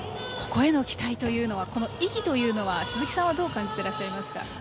ここへの期待というのはこの意義というのは鈴木さんはどう感じていらっしゃいますか。